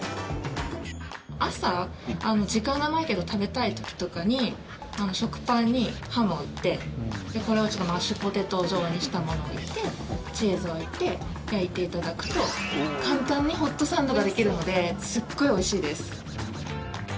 朝、時間がないけど食べたい時とかに食パンにハム置いてこれをマッシュポテト状にしたものを置いてチーズ置いて焼いていただくと簡単にホットサンドができるのですっごいおいしいです。